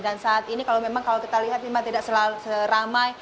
dan saat ini kalau memang kalau kita lihat memang tidak seramai